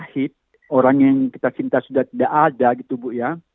kita cinta sudah tidak ada gitu bu ya